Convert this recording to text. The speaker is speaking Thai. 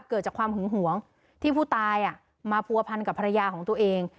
เกิดจากความหึงหวงที่ผู้ตายมาผัวพันกับภรรยาของตัวเอง